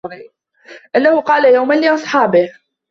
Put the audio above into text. أَنَّهُ قَالَ يَوْمًا لِأَصْحَابِهِ